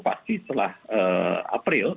pasti setelah april